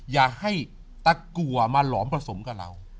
อย่าให้ตะกัวมาหลอมผสมกับเรา